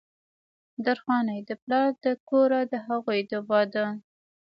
درخانۍ د پلار د کوره د هغې د وادۀ